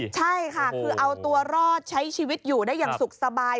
ใช่ค่ะคือเอาตัวรอดใช้ชีวิตอยู่ได้อย่างสุขสบาย